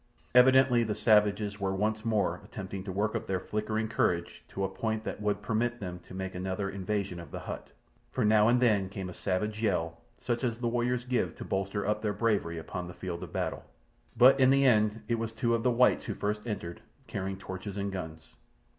Evidently the savages were once more attempting to work up their flickering courage to a point that would permit them to make another invasion of the hut, for now and then came a savage yell, such as the warriors give to bolster up their bravery upon the field of battle. But in the end it was two of the whites who first entered, carrying torches and guns.